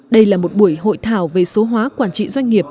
đây là một buổi hội thảo về số hóa quản trị doanh nghiệp